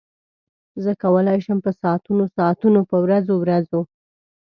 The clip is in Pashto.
زه کولای شم په ساعتونو ساعتونو په ورځو ورځو.